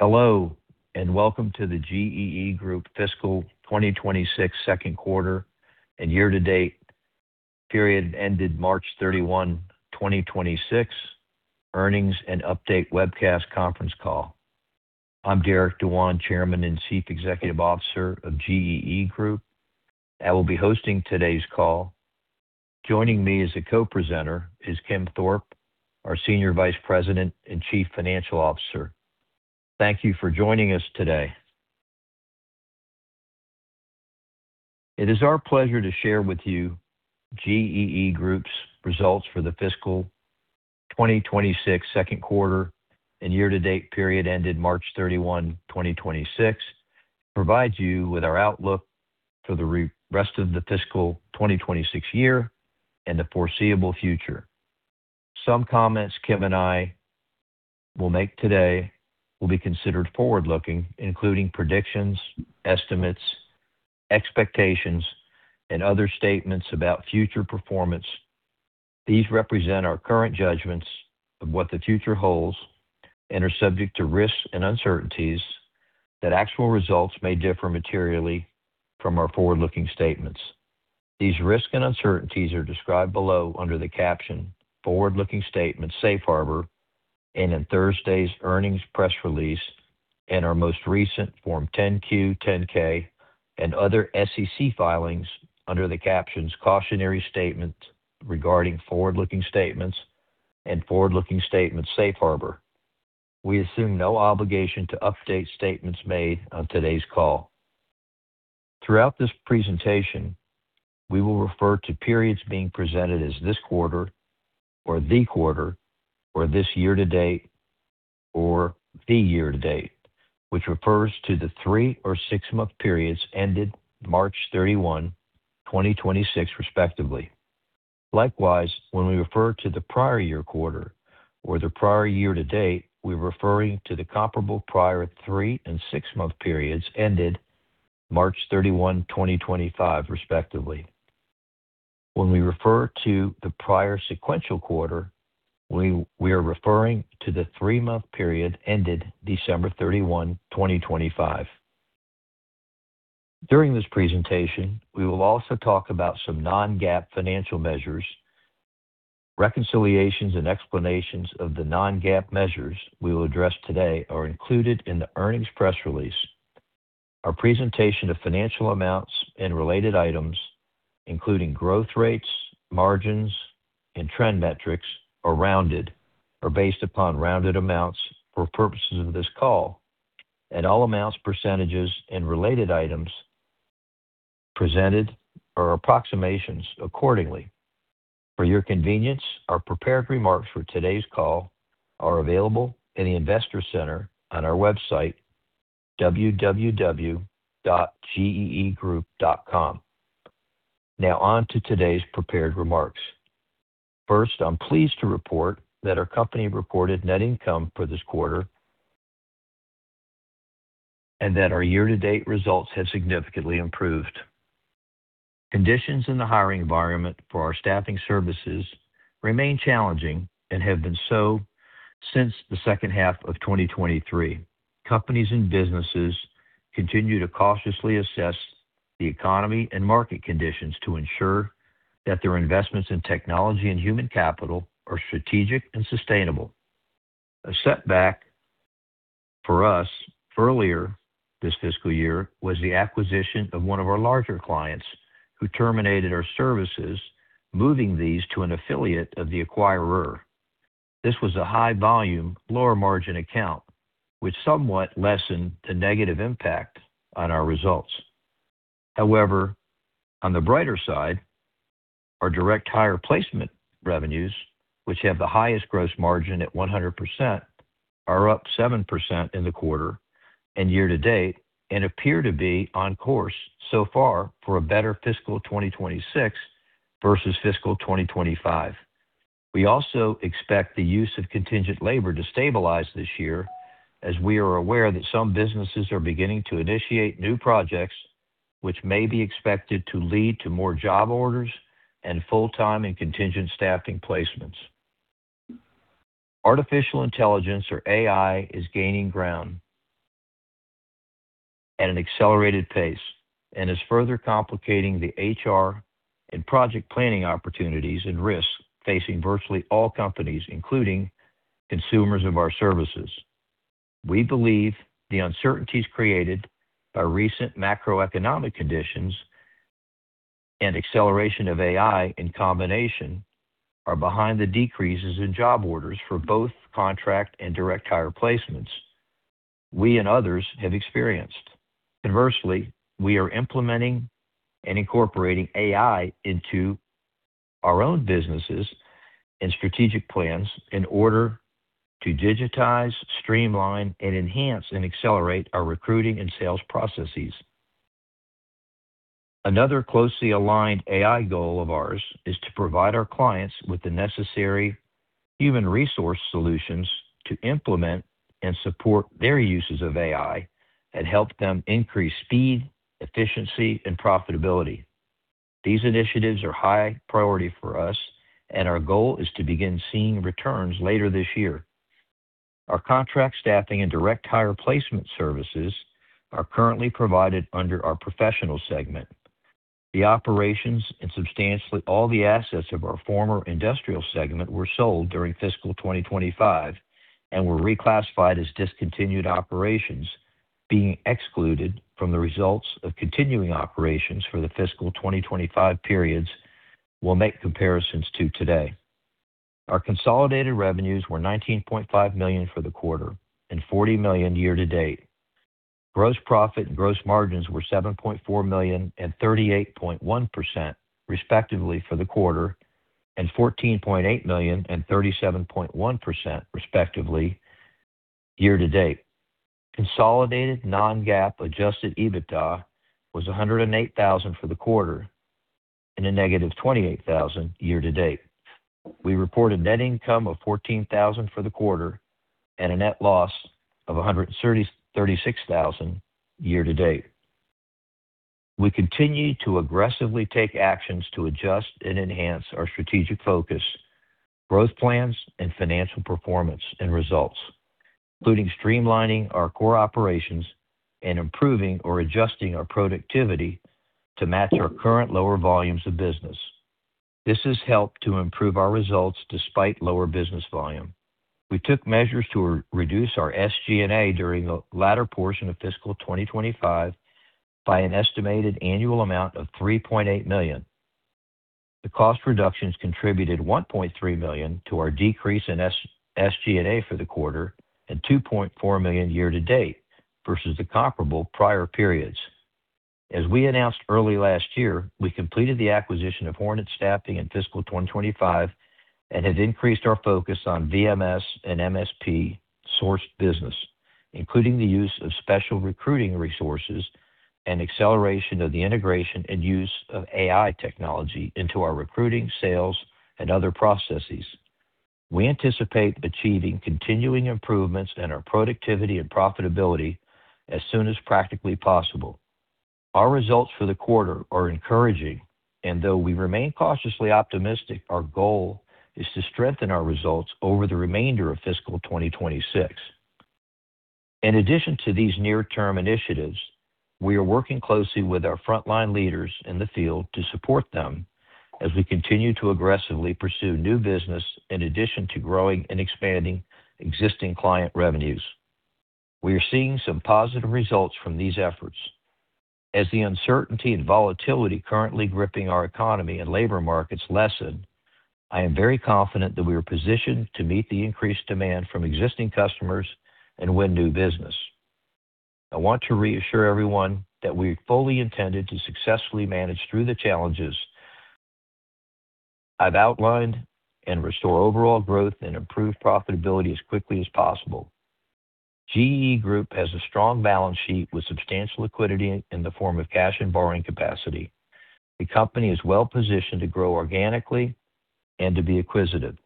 Hello, and welcome to the GEE Group Fiscal 2026 second quarter and year-to-date period ended March 31, 2026 earnings and update webcast conference call. I'm Derek Dewan, Chairman and Chief Executive Officer of GEE Group. I will be hosting today's call. Joining me as a co-presenter is Kim Thorpe, our Senior Vice President and Chief Financial Officer. Thank you for joining us today. It is our pleasure to share with you GEE Group's results for the fiscal 2026 second quarter and year-to-date period ended March 31, 2026, provide you with our outlook for the rest of the fiscal 2026 year and the foreseeable future. Some comments Kim and I will make today will be considered forward-looking, including predictions, estimates, expectations, and other statements about future performance. These represent our current judgments of what the future holds and are subject to risks and uncertainties that actual results may differ materially from our forward-looking statements. These risks and uncertainties are described below under the caption "Forward-Looking Statements Safe Harbor" and in Thursday's earnings press release and our most recent Form 10-Q, 10-K, and other SEC filings under the captions "Cautionary Statement Regarding Forward-Looking Statements" and "Forward-Looking Statements Safe Harbor." We assume no obligation to update statements made on today's call. Throughout this presentation, we will refer to periods being presented as this quarter or the quarter or this year to date or the year to date, which refers to the three or six-month periods ended March 31, 2026 respectively. Likewise, when we refer to the prior year quarter or the prior year to date, we're referring to the comparable prior three and six-month periods ended March 31, 2025 respectively. When we refer to the prior sequential quarter, we are referring to the three-month period ended December 31, 2025. During this presentation, we will also talk about some non-GAAP financial measures. Reconciliations and explanations of the non-GAAP measures we will address today are included in the earnings press release. Our presentation of financial amounts and related items, including growth rates, margins, and trend metrics, are rounded or based upon rounded amounts for purposes of this call. All amounts, percentages, and related items presented are approximations accordingly. For your convenience, our prepared remarks for today's call are available in the Investor Center on our website, www.geegroup.com. Now on to today's prepared remarks. First, I'm pleased to report that our company reported net income for this quarter and that our year-to-date results have significantly improved. Conditions in the hiring environment for our staffing services remain challenging and have been so since the second half of 2023. Companies and businesses continue to cautiously assess the economy and market conditions to ensure that their investments in technology and human capital are strategic and sustainable. A setback for us earlier this fiscal year was the acquisition of one of our larger clients who terminated our services, moving these to an affiliate of the acquirer. This was a high-volume, lower-margin account, which somewhat lessened the negative impact on our results. On the brighter side, our direct hire placement revenues, which have the highest gross margin at 100%, are up 7% in the quarter and year-to-date and appear to be on course so far for a better fiscal 2026 versus fiscal 2025. We also expect the use of contingent labor to stabilize this year, as we are aware that some businesses are beginning to initiate new projects which may be expected to lead to more job orders and full-time and contingent staffing placements. Artificial intelligence or AI is gaining ground at an accelerated pace and is further complicating the HR and project planning opportunities and risks facing virtually all companies, including consumers of our services. We believe the uncertainties created by recent macroeconomic conditions and acceleration of AI in combination are behind the decreases in job orders for both contract and direct hire placements we and others have experienced. Conversely, we are implementing and incorporating AI into our own businesses and strategic plans in order to digitize, streamline, and enhance and accelerate our recruiting and sales processes. Another closely aligned AI goal of ours is to provide our clients with the necessary human resource solutions to implement and support their uses of AI and help them increase speed, efficiency, and profitability. These initiatives are high priority for us, and our goal is to begin seeing returns later this year. Our contract staffing and direct hire placement services are currently provided under our professional segment. The operations and substantially all the assets of our former industrial segment were sold during fiscal 2025 and were reclassified as discontinued operations, being excluded from the results of continuing operations for the fiscal 2025 periods we'll make comparisons to today. Our consolidated revenues were $19.5 million for the quarter and $40 million year-to-date. Gross profit and gross margins were $7.4 million and 38.1% respectively for the quarter and $14.8 million and 37.1% respectively year-to-date. Consolidated non-GAAP adjusted EBITDA was $108,000 for the quarter and a negative $28,000 year-to-date. We reported net income of $14,000 for the quarter and a net loss of $136,000 year-to-date. We continue to aggressively take actions to adjust and enhance our strategic focus, growth plans, and financial performance and results, including streamlining our core operations and improving or adjusting our productivity to match our current lower volumes of business. This has helped to improve our results despite lower business volume. We took measures to reduce our SG&A during the latter portion of fiscal 2025 by an estimated annual amount of $3.8 million. The cost reductions contributed $1.3 million to our decrease in SG&A for the quarter and $2.4 million year-to-date versus the comparable prior periods. As we announced early last year, we completed the acquisition of Hornet Staffing in fiscal 2025 and have increased our focus on VMS and MSP sourced business, including the use of special recruiting resources and acceleration of the integration and use of AI technology into our recruiting, sales, and other processes. We anticipate achieving continuing improvements in our productivity and profitability as soon as practically possible. Our results for the quarter are encouraging, and though we remain cautiously optimistic, our goal is to strengthen our results over the remainder of fiscal 2026. In addition to these near-term initiatives, we are working closely with our frontline leaders in the field to support them as we continue to aggressively pursue new business in addition to growing and expanding existing client revenues. We are seeing some positive results from these efforts. As the uncertainty and volatility currently gripping our economy and labor markets lessen, I am very confident that we are positioned to meet the increased demand from existing customers and win new business. I want to reassure everyone that we fully intended to successfully manage through the challenges I've outlined and restore overall growth and improve profitability as quickly as possible. GEE Group has a strong balance sheet with substantial liquidity in the form of cash and borrowing capacity. The company is well-positioned to grow organically and to be acquisitive.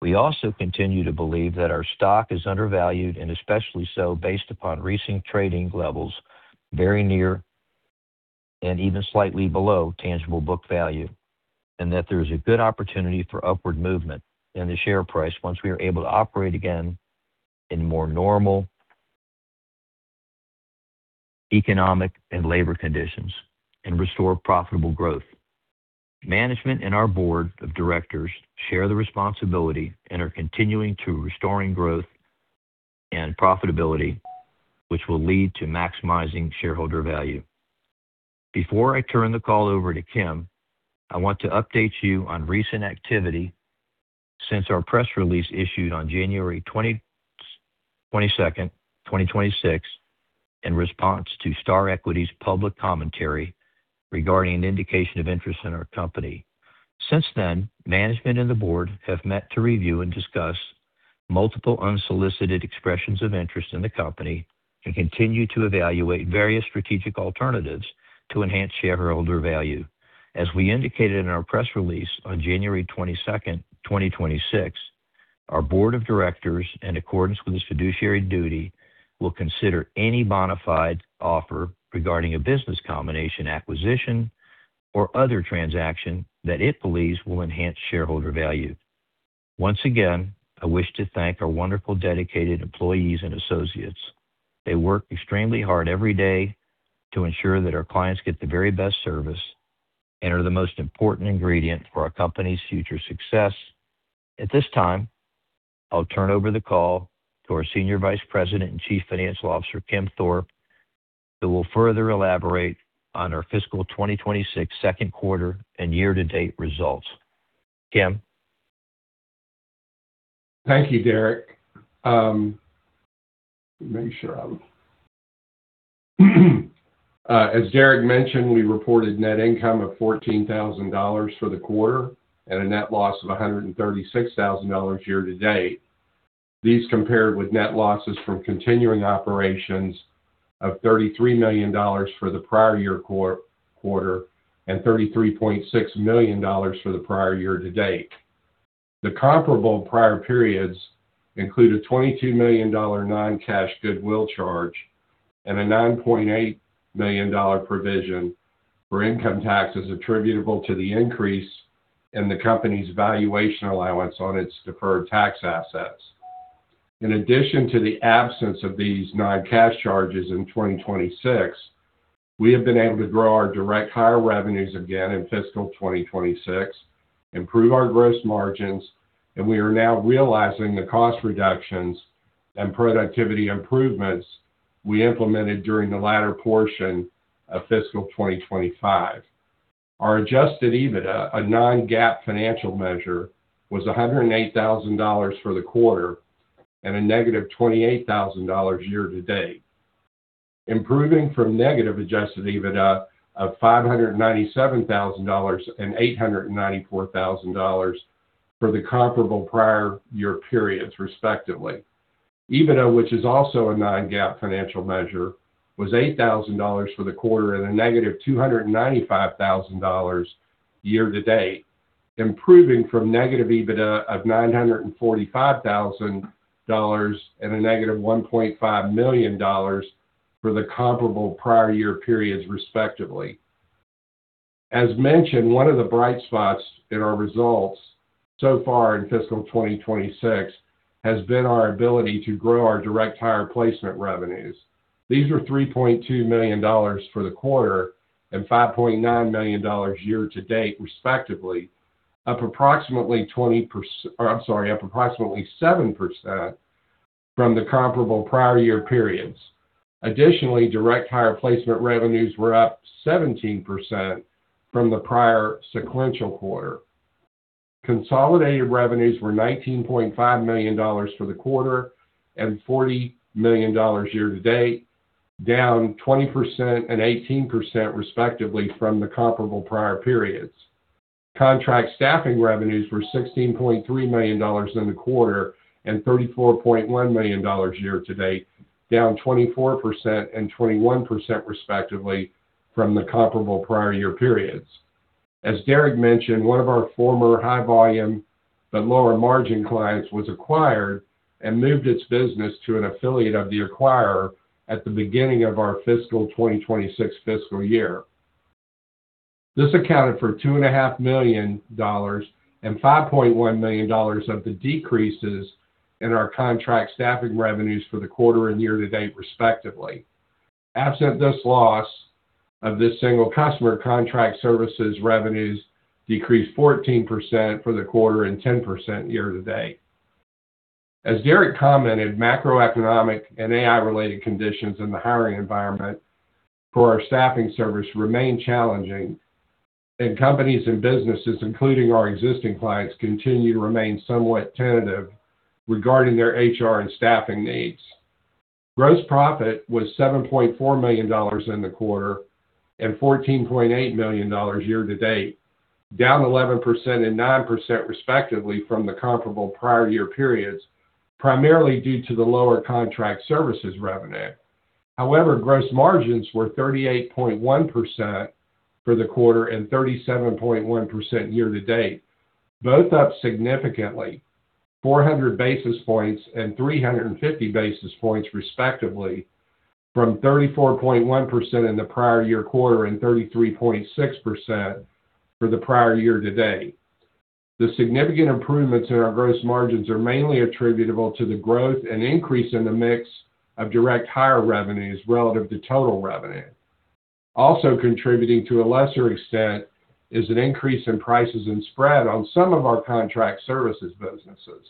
We also continue to believe that our stock is undervalued, and especially so based upon recent trading levels very near and even slightly below tangible book value, and that there is a good opportunity for upward movement in the share price once we are able to operate again in more normal economic and labor conditions and restore profitable growth. Management and our board of directors share the responsibility and are continuing to restoring growth and profitability, which will lead to maximizing shareholder value. Before I turn the call over to Kim, I want to update you on recent activity since our press release issued on January 22nd, 2026, in response to Star Equity's public commentary regarding an indication of interest in our company. Since then, management and the board have met to review and discuss multiple unsolicited expressions of interest in the company and continue to evaluate various strategic alternatives to enhance shareholder value. As we indicated in our press release on January 22nd, 2026, our board of directors, in accordance with its fiduciary duty, will consider any bona fide offer regarding a business combination, acquisition, or other transaction that it believes will enhance shareholder value. Once again, I wish to thank our wonderful dedicated employees and associates. They work extremely hard every day to ensure that our clients get the very best service and are the most important ingredient for our company's future success. At this time, I'll turn over the call to our Senior Vice President and Chief Financial Officer, Kim Thorpe, who will further elaborate on our fiscal 2026 second quarter and year-to-date results. Kim? Thank you, Derek. As Derek mentioned, we reported net income of $14,000 for the quarter and a net loss of $136,000 year-to-date. These compared with net losses from continuing operations of $33 million for the prior year quarter and $33.6 million for the prior year-to-date. The comparable prior periods include a $22 million non-cash goodwill charge and a $9.8 million provision for income taxes attributable to the increase in the company's valuation allowance on its deferred tax assets. In addition to the absence of these non-cash charges in 2026, we have been able to grow our direct hire revenues again in fiscal 2026, improve our gross margins, and we are now realizing the cost reductions and productivity improvements we implemented during the latter portion of fiscal 2025. Our adjusted EBITDA, a non-GAAP financial measure, was $108,000 for the quarter and a negative $28,000 year-to-date, improving from negative adjusted EBITDA of $597,000 and $894,000 for the comparable prior-year periods, respectively. EBITDA, which is also a non-GAAP financial measure, was $8,000 for the quarter and a negative $295,000 year-to-date, improving from negative EBITDA of $945,000 and a negative $1.5 million for the comparable prior year periods, respectively. As mentioned, one of the bright spots in our results so far in fiscal 2026 has been our ability to grow our direct hire placement revenues. These were $3.2 million for the quarter and $5.9 million year-to-date, respectively, I'm sorry, up approximately 7% from the comparable prior year periods. Additionally, direct hire placement revenues were up 17% from the prior sequential quarter. Consolidated revenues were $19.5 million for the quarter and $40 million year-to-date, down 20% and 18% respectively from the comparable prior periods. Contract staffing revenues were $16.3 million in the quarter and $34.1 million year-to-date, down 24% and 21% respectively from the comparable prior year periods. As Derek mentioned, one of our former high volume but lower margin clients was acquired and moved its business to an affiliate of the acquirer at the beginning of our fiscal 2026 fiscal year. This accounted for $2.5 million and $5.1 million of the decreases in our contract staffing revenues for the quarter and year-to-date, respectively. Absent this loss of this single customer contract services revenues decreased 14% for the quarter and 10% year-to-date. As Derek commented, macroeconomic and AI-related conditions in the hiring environment for our staffing service remain challenging, and companies and businesses, including our existing clients, continue to remain somewhat tentative regarding their HR and staffing needs. Gross profit was $7.4 million in the quarter and $14.8 million year-to-date, down 11% and 9% respectively from the comparable prior year periods, primarily due to the lower contract services revenue. However, gross margins were 38.1% for the quarter and 37.1% year-to-date, both up significantly, 400 basis points and 350 basis points respectively from 34.1% in the prior year quarter and 33.6% for the prior year-to-date. The significant improvements in our gross margins are mainly attributable to the growth and increase in the mix of direct hire revenues relative to total revenue. Also contributing to a lesser extent is an increase in prices and spread on some of our contract services businesses.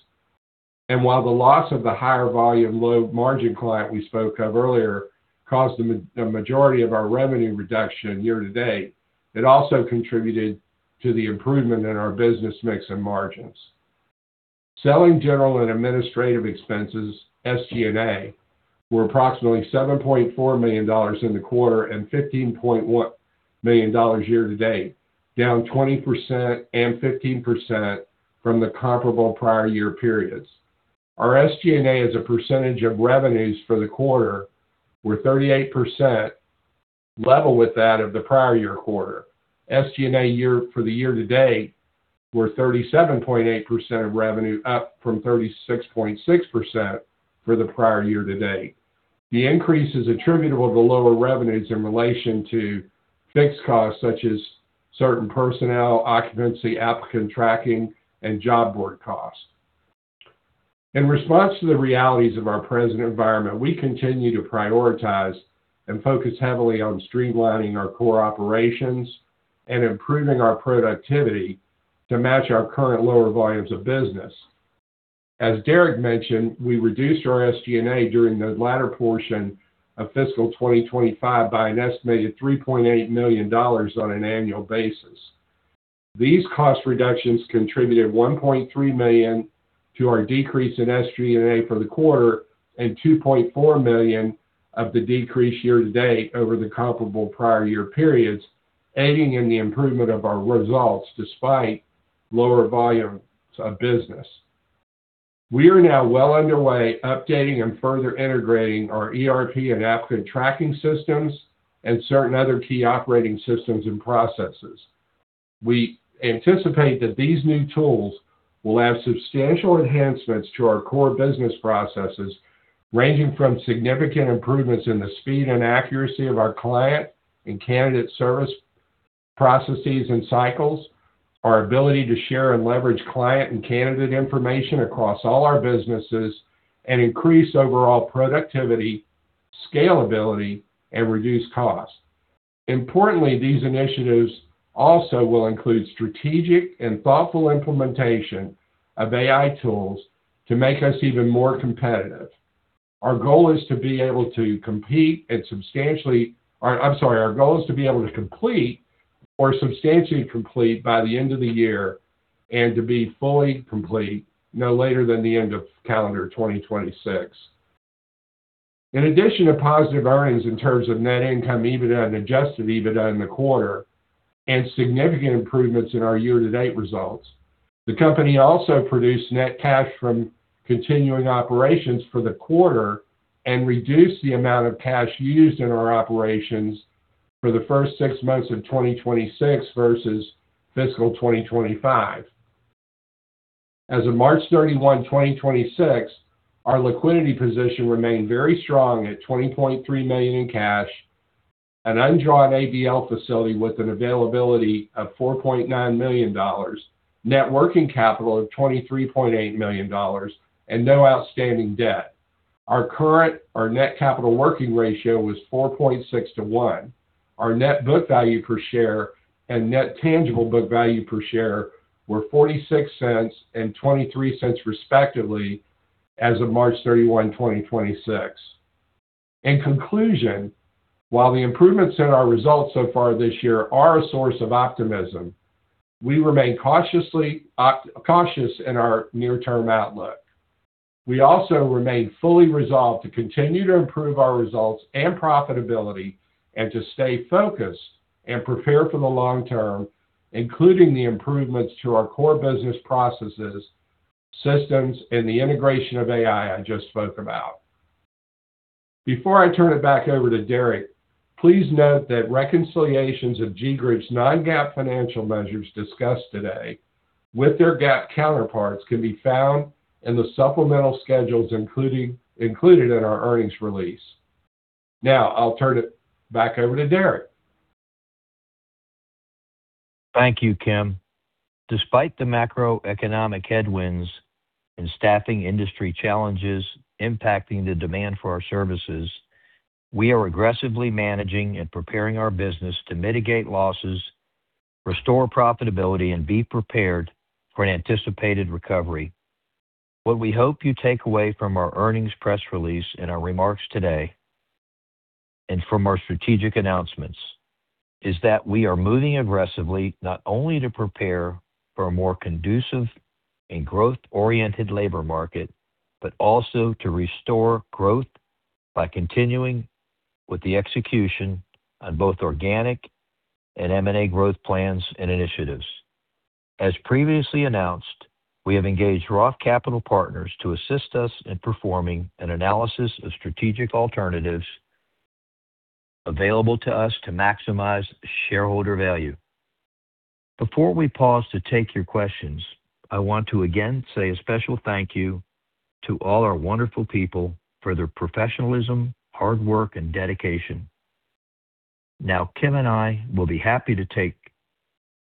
While the loss of the higher volume, low margin client we spoke of earlier caused the majority of our revenue reduction year-to-date, it also contributed to the improvement in our business mix and margins. Selling, general, and administrative expenses, SG&A, were approximately $7.4 million in the quarter and $15.1 million year-to-date, down 20% and 15% from the comparable prior year periods. Our SG&A as a percentage of revenues for the quarter were 38%, level with that of the prior year quarter. SG&A for the year-to-date were 37.8% of revenue, up from 36.6% for the prior year-to-date. The increase is attributable to lower revenues in relation to fixed costs such as certain personnel, occupancy, applicant tracking, and job board costs. In response to the realities of our present environment, we continue to prioritize and focus heavily on streamlining our core operations and improving our productivity to match our current lower volumes of business. As Derek mentioned, we reduced our SG&A during the latter portion of fiscal 2025 by an estimated $3.8 million on an annual basis. These cost reductions contributed $1.3 million to our decrease in SG&A for the quarter and $2.4 million of the decrease year-to-date over the comparable prior year periods, aiding in the improvement of our results despite lower volumes of business. We are now well underway updating and further integrating our ERP and applicant tracking systems and certain other key operating systems and processes. We anticipate that these new tools will add substantial enhancements to our core business processes, ranging from significant improvements in the speed and accuracy of our client and candidate service processes and cycles, our ability to share and leverage client and candidate information across all our businesses, and increase overall productivity, scalability and reduce costs. Importantly, these initiatives also will include strategic and thoughtful implementation of AI tools to make us even more competitive. Our goal is to be able to complete or substantially complete by the end of the year and to be fully complete no later than the end of calendar 2026. In addition to positive earnings in terms of net income EBITDA and adjusted EBITDA in the quarter and significant improvements in our year-to-date results, the company also produced net cash from continuing operations for the quarter and reduced the amount of cash used in our operations for the first six months of 2026 versus fiscal 2025. As of March 31, 2026, our liquidity position remained very strong at $20.3 million in cash, an undrawn ABL facility with an availability of $4.9 million, net working capital of $23.8 million, and no outstanding debt. Our net capital working ratio was 4.6:1. Our net book value per share and net tangible book value per share were $0.46 and $0.23 respectively as of March 31, 2026. In conclusion, while the improvements in our results so far this year are a source of optimism, we remain cautiously cautious in our near-term outlook. We also remain fully resolved to continue to improve our results and profitability and to stay focused and prepare for the long term, including the improvements to our core business processes, systems, and the integration of AI I just spoke about. Before I turn it back over to Derek, please note that reconciliations of GEE Group's non-GAAP financial measures discussed today with their GAAP counterparts can be found in the supplemental schedules included in our earnings release. Now I'll turn it back over to Derek. Thank you, Kim. Despite the macroeconomic headwinds and staffing industry challenges impacting the demand for our services, we are aggressively managing and preparing our business to mitigate losses, restore profitability, and be prepared for an anticipated recovery. What we hope you take away from our earnings press release and our remarks today, from our strategic announcements, is that we are moving aggressively not only to prepare for a more conducive and growth-oriented labor market, but also to restore growth by continuing with the execution on both organic and M&A growth plans and initiatives. As previously announced, we have engaged Roth Capital Partners to assist us in performing an analysis of strategic alternatives available to us to maximize shareholder value. Before we pause to take your questions, I want to again say a special thank you to all our wonderful people for their professionalism, hard work, and dedication. Now, Kim and I will be happy to take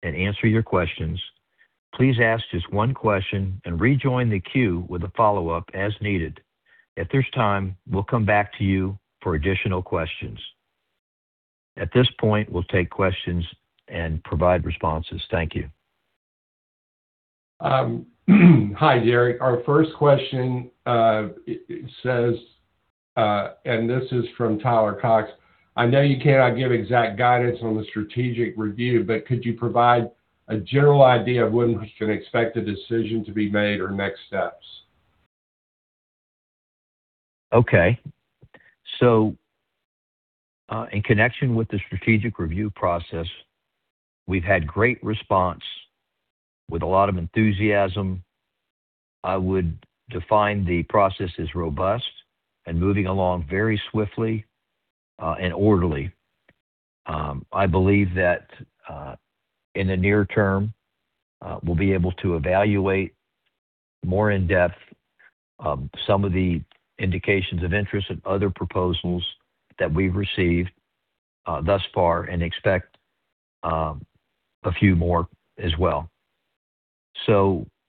and answer your questions. Please ask just one question and rejoin the queue with a follow-up as needed. If there's time, we'll come back to you for additional questions. At this point, we'll take questions and provide responses. Thank you. Hi, Derek. Our first question, this is from Tyler Cox: I know you cannot give exact guidance on the strategic review, but could you provide a general idea of when we can expect a decision to be made or next steps? In connection with the strategic review process, we've had great response with a lot of enthusiasm. I would define the process as robust and moving along very swiftly and orderly. I believe that in the near term, we'll be able to evaluate more in depth, some of the indications of interest and other proposals that we've received thus far, and expect a few more as well.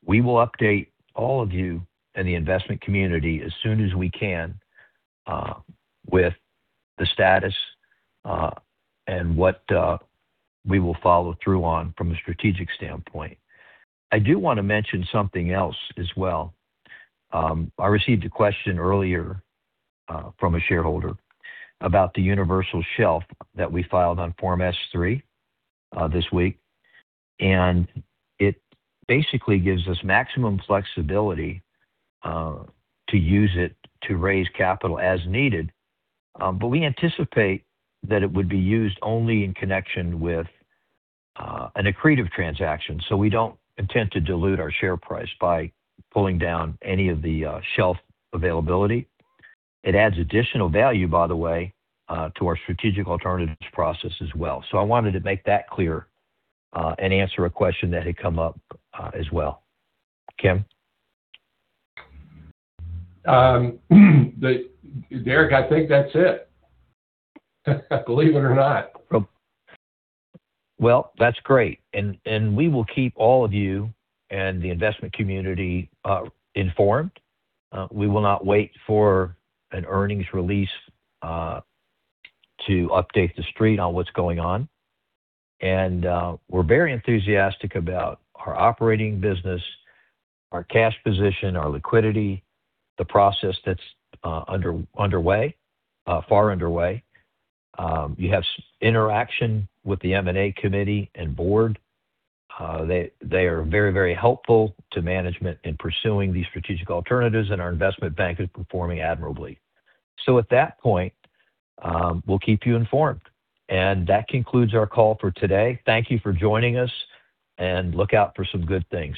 We will update all of you in the investment community as soon as we can, with the status, and what we will follow through on from a strategic standpoint. I do wanna mention something else as well. I received a question earlier from a shareholder about the universal shelf that we filed on Form S-3 this week. It basically gives us maximum flexibility to use it to raise capital as needed. We anticipate that it would be used only in connection with an accretive transaction, so we don't intend to dilute our share price by pulling down any of the shelf availability. It adds additional value, by the way, to our strategic alternatives process as well. I wanted to make that clear and answer a question that had come up as well. Kim? Derek, I think that's it. Believe it or not. Well, that's great. We will keep all of you and the investment community informed. We will not wait for an earnings release to update the street on what's going on. We're very enthusiastic about our operating business, our cash position, our liquidity, the process that's underway, far underway. You have interaction with the M&A committee and board. They are very helpful to management in pursuing these strategic alternatives. Our investment bank is performing admirably. At that point, we'll keep you informed. That concludes our call for today. Thank you for joining us, and look out for some good things.